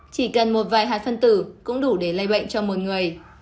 chỉ cần một vài hạt phân tử cũng đủ để lây bệnh cho mỗi người